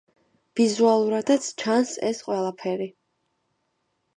ვიზუალურადაც ჩანს ეს ყველაფერი.